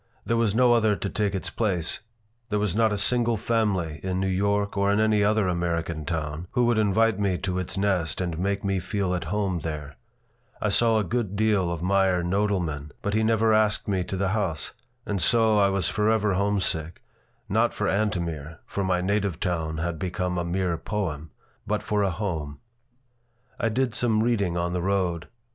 There was no other to take its place. There was not a single family in New York or in any other American town who would invite me to its nest and make me feel at home there. I saw a good deal of Meyer Nodelman, but he never asked me to the house. And so I was forever homesick, not for Antomir for my native town had become a mere poem but for a home I did some reading on the road.